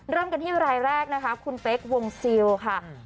เริ่มกันที่รายแรกนะคะคุณเป๊กวงซิลค่ะ